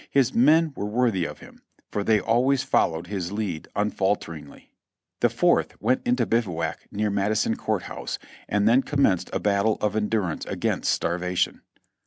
His men were worthy of him, for they always followed his lead unfalteringly. The Fourth went into bivouac near Madison Court House, and then commenced a battle of endurance against starvation.